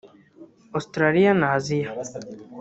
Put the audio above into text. Australia na Asia